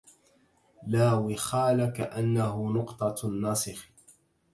لا وخال كأنه نقطة الناسخ